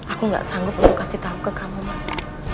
aku tidak sanggup untuk memberitahu kamu mas